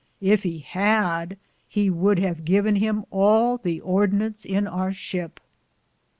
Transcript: Yf he hade he would have given him all the ordinance in our shipp.